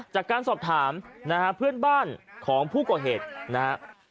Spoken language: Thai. จากการสอบถามนะฮะเพื่อนบ้านของผู้ก่อเหตุนะฮะ